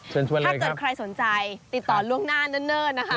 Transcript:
ถ้าเกิดใครสนใจติดต่อล่วงหน้าเนิ่นนะคะ